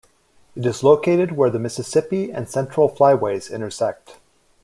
It is located where the Mississippi and Central Flyways intersect.